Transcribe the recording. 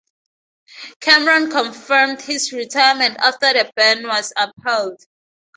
Cameron confirmed his retirement after the ban was upheld.